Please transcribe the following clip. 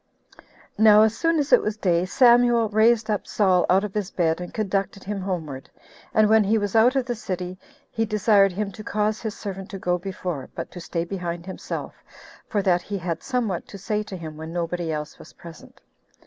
2. Now as soon as it was day, Samuel raised up Saul out of his bed, and conducted him homeward; and when he was out of the city, he desired him to cause his servant to go before, but to stay behind himself, for that he had somewhat to say to him when nobody else was present.